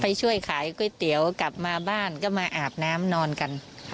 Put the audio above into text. ช่วยขายก๋วยเตี๋ยวกลับมาบ้านก็มาอาบน้ำนอนกัน